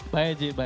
baik ji baik